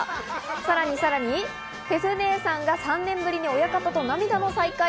さらにさらに、フェフ姉さんが３年ぶりに親方と涙の再会。